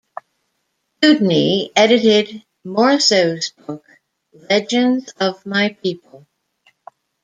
Dewdney edited Morrisseau's book "Legends of My People".